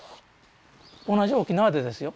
同じ沖縄でですよ